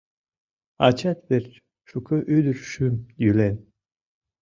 Ачат верч шуко ӱдыр шӱм йӱлен.